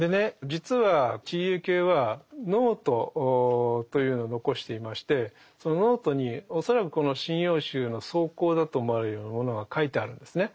実は知里幸恵はノートというのを残していましてそのノートに恐らくこの「神謡集」の草稿だと思われるようなものが書いてあるんですね。